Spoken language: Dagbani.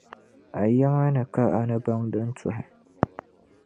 A yɛma ni ka a ni baŋ din tuhi.